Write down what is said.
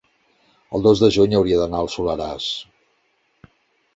el dos de juny hauria d'anar al Soleràs.